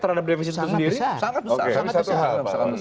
terhadap revisi itu sendiri sangat besar